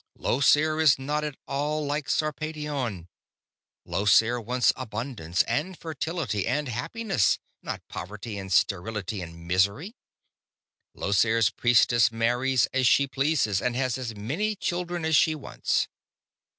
"Llosir is not at all like Sarpedion. Llosir wants abundance and fertility and happiness, not poverty and sterility and misery. Llosir's priestess marries as she pleases and has as many children as she wants."